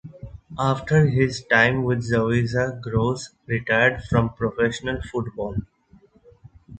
After his time with Zawisza Gross retired from professional football.